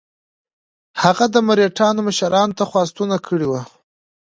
هغه د مرهټیانو مشرانو ته خواستونه کړي وه.